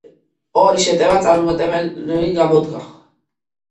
ორი შეტევა წარუმატებელი გამოდგა.